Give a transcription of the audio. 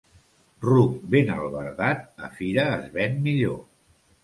Ruc ben albardat, a fira es ven millor.